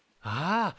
ああ！